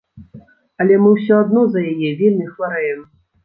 Але мы ўсё адно за яе вельмі хварэем.